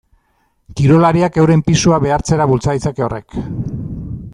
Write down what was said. Kirolariak euren pisua behartzera bultza ditzake horrek.